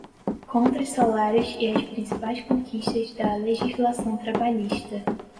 contra os salários e as principais conquistas da legislação trabalhista